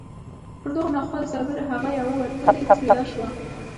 پر دغو ناخوالو سربېره هغه یوه وتلې څېره شوه